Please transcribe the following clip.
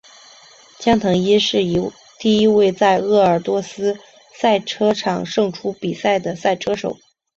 江腾一是第一位在鄂尔多斯赛车场胜出比赛的赛车手。